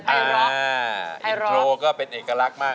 ไพร็อกไพร็อกอินโทรก็เป็นเอกลักษณ์มาก